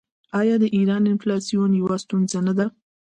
آیا د ایران انفلاسیون یوه ستونزه نه ده؟